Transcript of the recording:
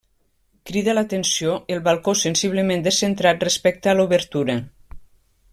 Crida l'atenció el balcó sensiblement descentrat respecte a l'obertura.